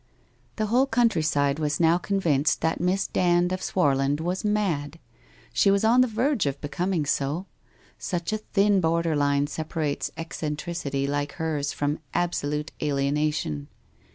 The whole country side was now convinced that Miss Dand of Swarland was mad. She was on the verge of becoming so. Such a thin borderline separates eccentricity like hers from absolute alienation.